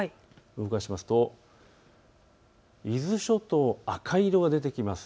動かしますと伊豆諸島、赤い色が出てきます。